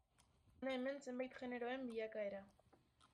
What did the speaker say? Hona hemen zenbait generoen bilakaera.